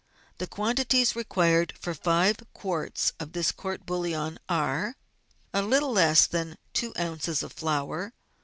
The Quantities Required for Five Quarts of this Court bouillon are :— A little less than 2 oz. of flour.